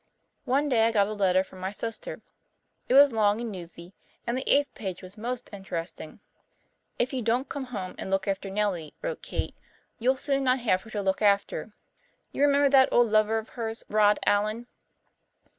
One day I got a letter from my sister. It was long and newsy, and the eighth page was most interesting. "If you don't come home and look after Nellie," wrote Kate, "you'll soon not have her to look after. You remember that old lover of hers, Rod Allen?